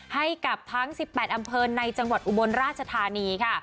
ให้กับทั้ง๑๘อำเภอในจังหวัดอุบลราชธานีค่ะ